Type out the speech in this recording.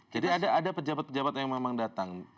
jadi ada pejabat pejabat yang memang datang